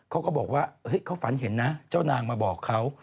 เขาก็บอกว่าเขาฝันเห็นนะเจ้านางมาบอกเขา